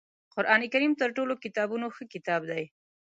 قرآنکریم تر ټولو کتابونو ښه کتاب دی